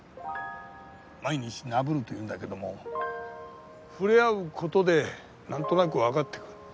毎日なぶるというんだけども触れ合うことで何となく分かってくる